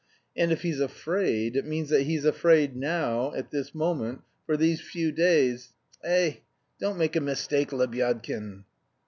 And if he's afraid, it means that he's afraid now, at this moment, for these few days.... Eh, don't make a mistake, Lebyadkin!